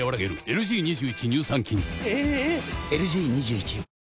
⁉ＬＧ２１